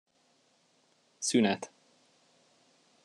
Szünet.